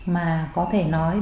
mà có thể nói